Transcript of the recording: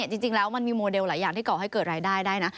จริงแล้วมันมีโมเดลหลายอย่างที่ก่อให้เกิดรายได้ได้นะ